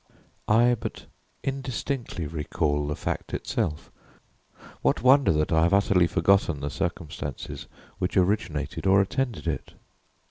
I but indistinctly recall the fact itself what wonder that I have utterly forgotten the circumstances which originated or attended it?